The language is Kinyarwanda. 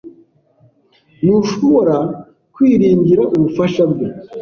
Ntushobora kwiringira ubufasha bwe.